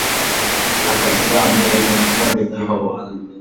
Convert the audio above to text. আশা ছিল আমি এ গুণসম্পন্ন ব্যক্তি হব।